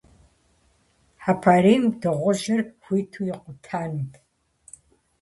Хьэпарийм дыгъужьыр хуиту икъутэнут.